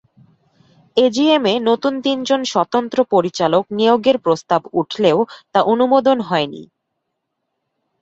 এজিএমে নতুন তিনজন স্বতন্ত্র পরিচালক নিয়োগের প্রস্তাব উঠলেও তা অনুমোদন হয়নি।